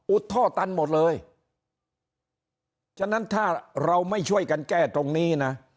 ท่อตันหมดเลยฉะนั้นถ้าเราไม่ช่วยกันแก้ตรงนี้นะ